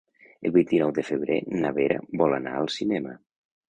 El vint-i-nou de febrer na Vera vol anar al cinema.